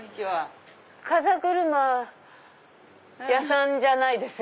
風車屋さんじゃないでしょ？